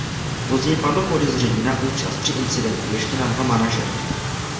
Později padlo podezření na účast při incidentu ještě na dva manažery.